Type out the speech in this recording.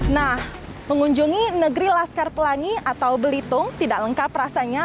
nah mengunjungi negeri laskar pelangi atau belitung tidak lengkap rasanya